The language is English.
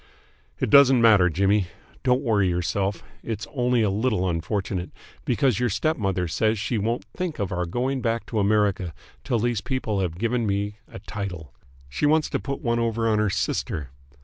"It doesn't matter, Jimmy. Don't worry yourself. It's only a little unfortunate, because your stepmother says she won't think of our going back to America till these people here have given me a title. She wants to put one over on her sister.